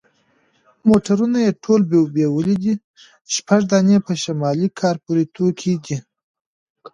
موټرونه یې ټول بیولي دي، شپږ دانې په شمالي کارپوریتو کې دي.